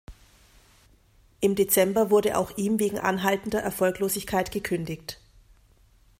Im Dezember wurde auch ihm wegen anhaltender Erfolglosigkeit gekündigt.